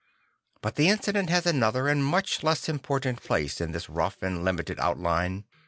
But the incident has another and much less important place in this rough and limited out line.